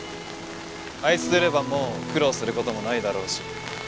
あいつといればもう苦労することもないだろうし